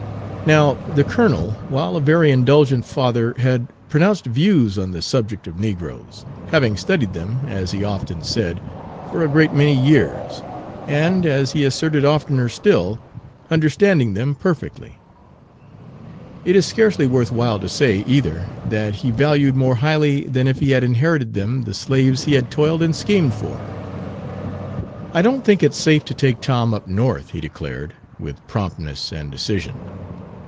Now, the colonel, while a very indulgent father, had pronounced views on the subject of negroes, having studied them, as he often said, for a great many years, and, as he Page 177 asserted oftener still, understanding them perfectly. It is scarcely worth while to say, either, that he valued more highly than if he had inherited them the slaves he had toiled and schemed for. "I don't think it safe to take Tom up North," he declared, with promptness and decision.